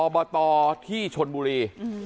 มีชนบุรี